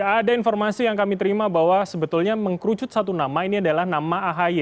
ada informasi yang kami terima bahwa sebetulnya mengkerucut satu nama ini adalah nama ahy